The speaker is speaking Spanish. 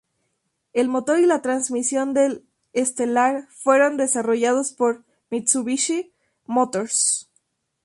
El motor y la transmisión del Stellar fueron desarrolladas por Mitsubishi Motors.